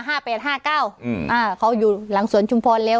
แปดห้าเก้าอืมอ่าเขาอยู่หลังสวนชุมพรแล้ว